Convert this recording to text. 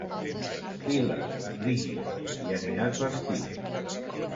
Fila, Brígida, i aniràs vestida.